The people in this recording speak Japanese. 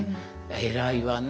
「偉いわね